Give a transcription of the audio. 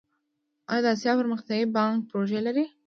د اسیا پرمختیایی بانک پروژې لري